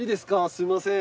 すみません。